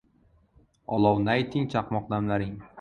Olov nayting, chaqmoq damlaring